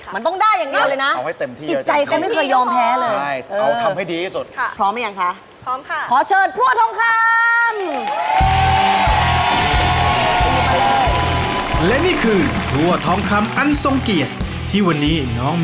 ไหวไหมเนี้ย๓๔กิโลเนี้ยเราตัก๓๐วินาทีไหวไหม